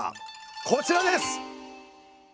こちらです！